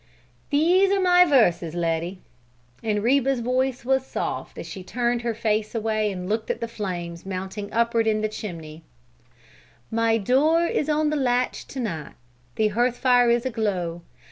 "These are my verses, Letty." And Reba's voice was soft as she turned her face away and looked at the flames mounting upward in the chimney: My door is on the latch to night, The hearth fire is aglow.